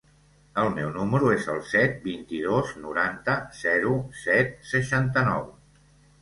El meu número es el set, vint-i-dos, noranta, zero, set, seixanta-nou.